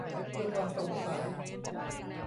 เพื่อความโปร่งใส